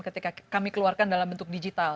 ketika kami keluarkan dalam bentuk digital